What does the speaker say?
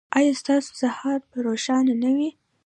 ایا ستاسو سهار به روښانه نه وي؟